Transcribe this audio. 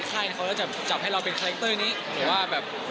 ค่ายเขาหรือแบบจับให้เราเป็นคาแรกเตอร์นี้หรือว่าแบบ